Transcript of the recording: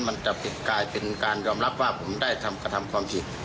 มันจะกลายเป็นการยอมรับว่าผมได้ทำกระทำความผิด